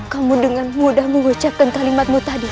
kamu dengan mudah mengucapkan kalimatmu tadi